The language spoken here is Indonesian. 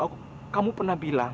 aku kamu pernah bilang